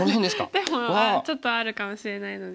手はちょっとあるかもしれないので。